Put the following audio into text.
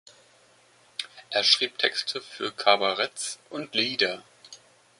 Er schrieb Texte für Kabaretts und Lieder.